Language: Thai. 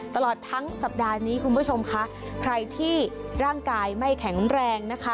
ตลอดทั้งสัปดาห์นี้คุณผู้ชมคะใครที่ร่างกายไม่แข็งแรงนะคะ